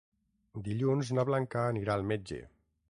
Dilluns na Blanca anirà al metge.